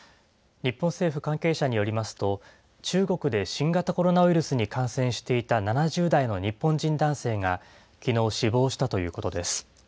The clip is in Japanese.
日本政府関係者によりますと、中国で新型コロナウイルスに感染していた７０代の日本人男性が、きのう、死亡したということです。